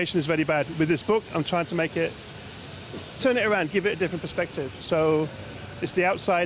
kecintaannya terhadap sepak pozitif youtuber anthony sutton yang berpencar kepada bangsa indonesia